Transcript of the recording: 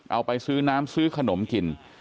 เอาไปซื้อน้ำซื้อขนมกิน